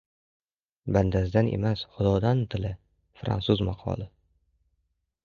Bandasidan emas, Xudodan tila. Frantsuz maqoli